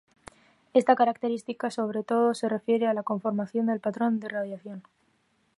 Esta característica sobre todo se refiere a la conformación del patrón de radiación.